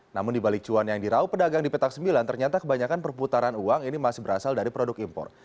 namun dibalik cuan yang dirau pedagang di petak sembilan ternyata kebanyakan perputaran uang ini masih berasal dari produk impor